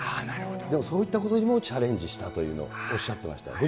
でもそういったことにもチャレンジしたというのをおっしゃってました。